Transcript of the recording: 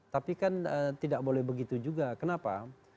tapi kan tidak boleh begitu juga kenapa